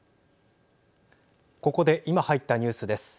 ここで今入ったニュースです。